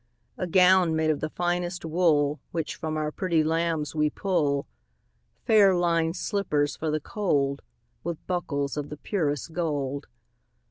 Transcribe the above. A gown made of the finest wool Which from our pretty lambs we pull; Fair linèd slippers for the cold, 15 With buckles of the purest gold.